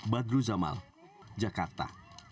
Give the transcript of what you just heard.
badru zamal jakarta